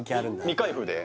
未開封で？